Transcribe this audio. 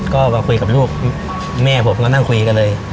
ก็มาคุยกับลูกแม่ผมก็นั่งคุยกันเลย